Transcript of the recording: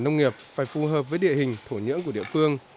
nông nghiệp phải phù hợp với địa hình thổ nhưỡng của địa phương